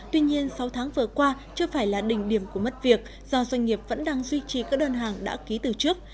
tuy nhiên sáu tháng vừa qua chưa phải là đỉnh điểm của mất việc do doanh nghiệp vẫn đang duy trì các đơn hàng đã ký từ trước